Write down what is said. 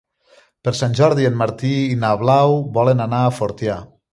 Per Sant Jordi en Martí i na Blau volen anar a Fortià.